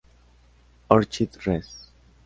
Orchid Res."